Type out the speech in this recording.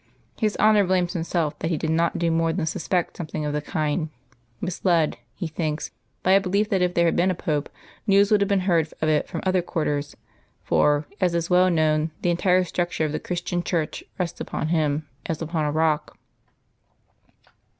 "His Honour blames Himself that He did not do more than suspect something of the kind misled, He thinks, by a belief that if there had been a Pope, news would have been heard of it from other quarters, for, as is well known, the entire structure of the Christian Church rests upon him as upon a rock.